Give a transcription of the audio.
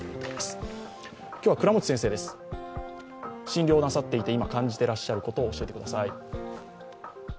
診療をなさっていて今、感じていることを教えてください。